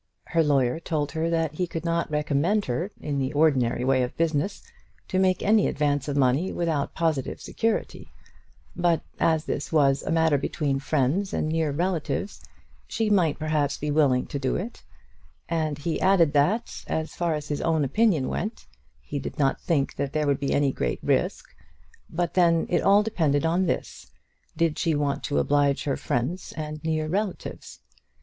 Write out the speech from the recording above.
Her lawyer told her that he could not recommend her, in the ordinary way of business, to make any advance of money without positive security; but, as this was a matter between friends and near relatives, she might perhaps be willing to do it; and he added that, as far as his own opinion went, he did not think that there would be any great risk. But then it all depended on this: did she want to oblige her friends and near relatives?